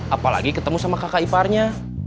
apalagi ketemu sama kakak iparnya